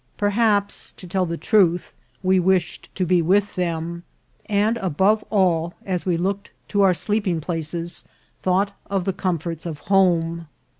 Perhaps, to tell the truth, we wished to be with them ; and, above all, as we look ed to our sleeping places, thought of the comforts of home.